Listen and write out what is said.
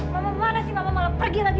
mama mana sih mama malah pergi nanti